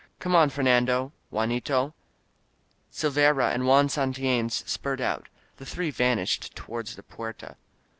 Come on, Fer nando — Juanito!" Silveyra and Juan Santillanes spurred out ; the three vanished toward the Puerta.